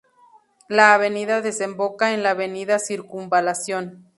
La avenida desemboca en la Avenida Circunvalación.